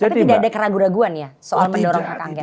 tapi tidak ada keraguan keraguan ya soal mendorong hak angket